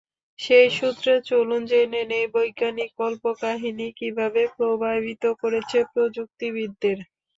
সেই সূত্রে চলুন জেনে নিই বৈজ্ঞানিক কল্পকাহিনি কীভাবে প্রভাবিত করেছে প্রযুক্তিবিদদের।